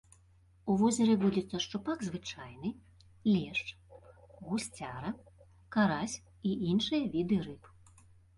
У возеры водзяцца шчупак звычайны, лешч, гусцяра, карась і іншыя віды рыб.